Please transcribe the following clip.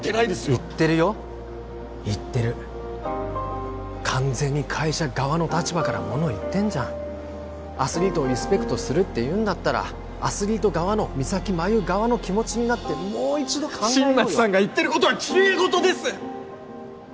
言ってるよ言ってる完全に会社側の立場からもの言ってんじゃんアスリートをリスペクトするっていうんだったらアスリート側の三咲麻有側の気持ちになってもう一度考えようよ新町さんが言ってることはきれい事です！